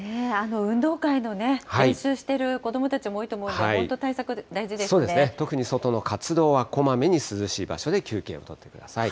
運動会の練習している子どもたちも多いと思うんで、本当、対そうですね、特に外の活動は、こまめに涼しい場所で休憩を取ってください。